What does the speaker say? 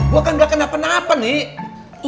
gue kan gak kenapa kenapa nih